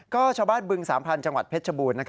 ก็ชาวบ้านบึงสามพันธุ์จังหวัดเพชรบูรณ์